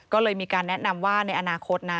ก็เลยมีการแนะนำว่าในอนาคตนะ